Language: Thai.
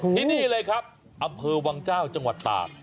ที่นี่เลยครับอำเภอวังเจ้าจังหวัดตาก